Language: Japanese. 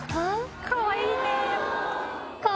かわいい！